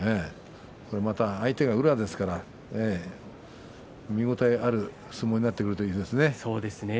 また、相手は宇良ですから見応えのある相撲になっていきますね。